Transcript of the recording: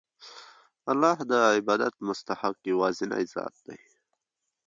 الله د عبادت مستحق یوازینی ذات دی.